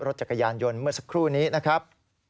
รถจักรยานยนต์เมื่อสักครู่นี้นะครับ